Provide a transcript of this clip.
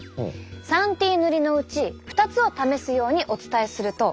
３Ｔ塗りのうち２つを試すようにお伝えすると。